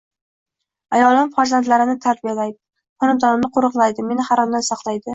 Ayolim farzandlarimni tarbiyalaydi, xonadonimni qo‘riqlaydi, meni haromdan saqlaydi.